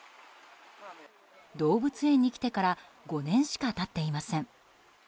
動物園に来てから５年しか経っていません。